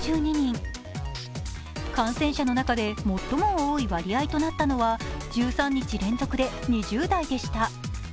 感染者の中で最も多い割合となったのは１３日連続で２０代でした。